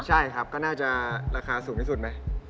ใช่ว่าน่าจะราคาสูงที่สุดไหม